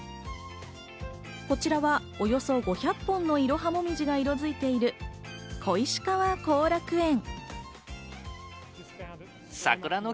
こちらはおよそ５００本のイロハモミジがいい色づいている小石川後楽園。